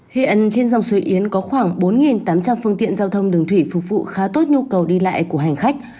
hiện trên dòng suối yến có khoảng bốn tám trăm linh phương tiện giao thông đường thủy phục vụ khá tốt nhu cầu đi lại của hành khách